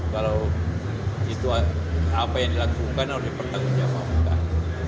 kalau itu apa yang dilakukan harus dipertanggungjawabkan